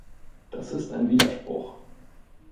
Das ist ein Widerspruch.